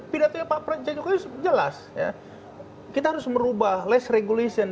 pidatunya pak prancay juga jelas kita harus merubah less regulation